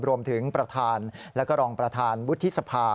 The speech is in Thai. รวมถึงประธานและก็รองประธานวุฒิสภา